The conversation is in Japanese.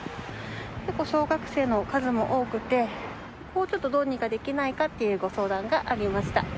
結構小学生の数も多くて、ここをちょっとどうにかできないのかというご相談がありました。